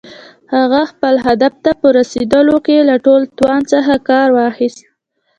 هغه خپل هدف ته په رسېدلو کې له ټول توان څخه کار واخيست.